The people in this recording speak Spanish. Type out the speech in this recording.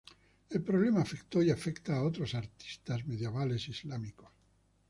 El problema afectó y afecta a otros artistas medievales islámicos.